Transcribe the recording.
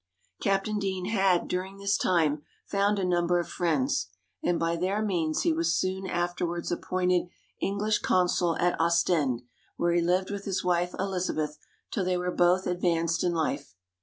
Captain Deane had during this time found a number of friends, and by their means he was soon afterwards appointed English consul at Ostend, where he lived with his wife Elizabeth till they were both advanced in life.